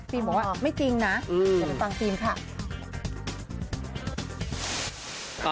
บอกว่าไม่จริงนะเดี๋ยวไปฟังฟิล์มค่ะ